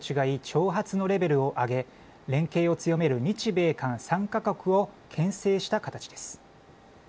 挑発のレベルを上げ、連携を強める日米韓３か国をけん制した形です。